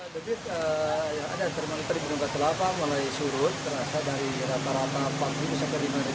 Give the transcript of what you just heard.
debit yang ada di bendungan katulampa mulai surut terasa dari rata rata panggung sekitar lima